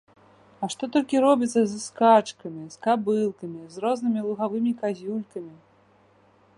А што толькі робіцца з скачкамі, з кабылкамі, з рознымі лугавымі казюлькамі!